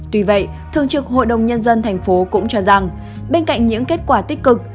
tuy vậy thường trực hội đồng nhân dân thành phố cũng cho rằng bên cạnh những kết quả tích cực